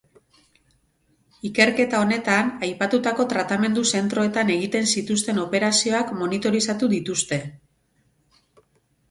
Ikerketa honetan, aipatutako tratamendu zentroetan egiten zituzten operazioak monitorizatu dituzte.